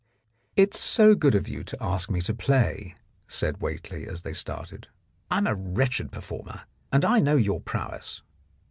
"It's so good of you to ask me to play," said Whately as they started. "I am a wretched per former, and I know your prowess."